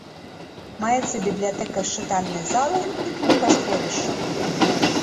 Маецца бібліятэка з чытальнай залай і кнігасховішчам.